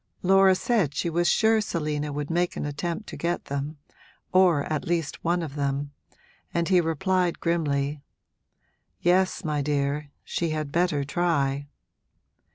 Laura said she was sure Selina would make an attempt to get them or at least one of them; and he replied, grimly, 'Yes, my dear, she had better try!'